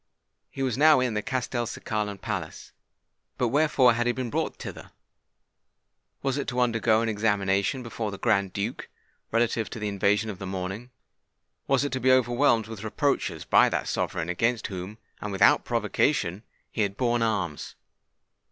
He was now in the Castelcicalan palace. But wherefore had he been brought thither? Was it to undergo an examination before the Grand Duke, relative to the invasion of the morning? was it to be overwhelmed with reproaches by that sovereign against whom, and without provocation, he had borne arms?